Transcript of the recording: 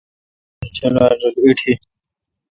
تانی جولال ایٹھی۔